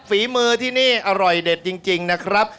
ฝีมือที่นี่อร่อยเด็ดจริงนะครับ